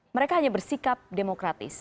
mereka hanya bersikap demokratis